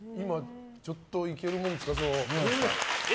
ちょっといけるもんですか？